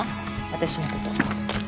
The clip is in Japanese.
私のこと。